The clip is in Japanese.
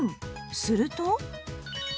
すると